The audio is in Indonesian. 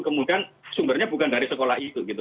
kemudian sumbernya bukan dari sekolah itu gitu